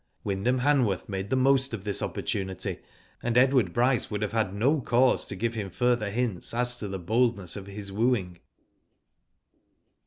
Wyndham Hanworth made the most of this opportunity, and Edward Bryce would have found no cause to give him further hints as to the boldness of his wooing.